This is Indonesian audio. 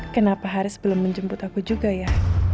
kenapa haris belum menjemput aku juga ya